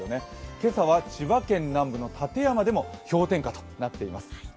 今朝は千葉県南部の館山でも氷点下となっています。